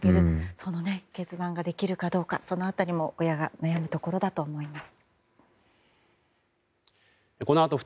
その決断ができるかどうか親が悩むところだと思います。